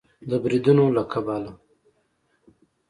د بریدونو له کبله